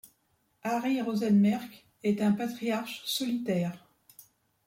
Harry Rosenmerck est un patriarche solitaire.